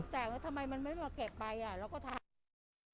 ตกแตกแล้วทำไมมันไม่ได้มาเก็บไปเราก็ถาม